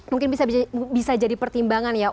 mungkin bisa jadi pertimbangan ya